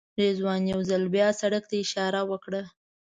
رضوان یو ځل بیا سړک ته اشاره وکړه.